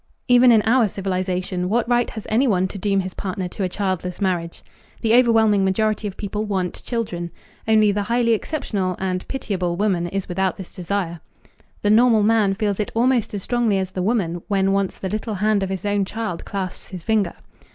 Even in our civilization what right has anyone to doom his partner to a childless marriage? The overwhelming majority of people want children. Only the highly exceptional and pitiable woman is without this desire. The normal man feels it almost as strongly as the woman when once the little hand of his own child clasps his finger.